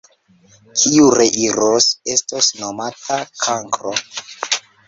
Kiu reiros, estos nomata kankro!